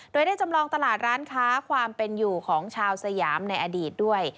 โดยได้จำลองตลาดร้านค้าความเป็นอยู่ของชาวสยามในอดีตด้วย